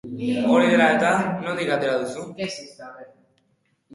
Hori dela eta, nondik atera duzu?